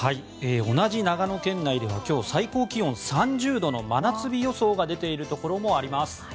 同じ長野県内では最高気温３０度の真夏日予想が出ているところもあります。